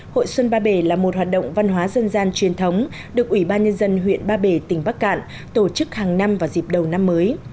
hội xuân ba bể là một hoạt động văn hóa dân gian truyền thống được ủy ban nhân dân huyện ba bể tỉnh bắc cạn tổ chức hàng năm vào dịp đầu năm mới